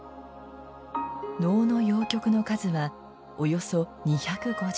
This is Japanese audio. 能の謡曲の数はおよそ２５０。